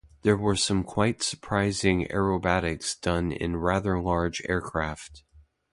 There were some quite surprising aerobatics done in rather large aircraft.